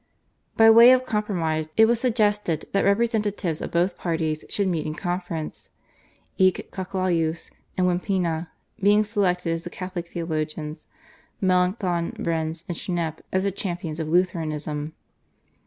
By way of compromise it was suggested that representatives of both parties should meet in conference, Eck, Cochlaeus, and Wimpina being selected as the Catholic theologians, Melanchthon, Brenz, and Schnep as the champions of Lutheranism.